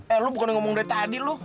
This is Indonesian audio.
eh lu bukan ngomong dari tadi lu